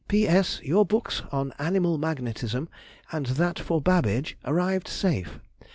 P.S.—Your books on animal magnetism, and that for Babbage, arrived safe....